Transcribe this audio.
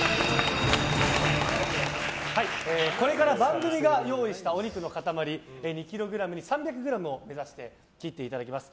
これから、番組が用意したお肉の塊２ｋｇに３００ｇを目指して切っていただきます。